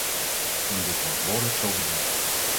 En dit wordt woordelijk zo bedoeld.